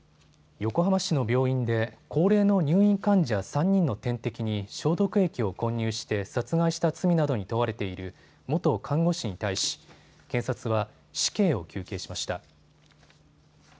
横浜市の病院で高齢の入院患者３人の点滴に消毒液を混入して殺害した罪などに問われている元看護師に対し検察は死刑を求刑しました。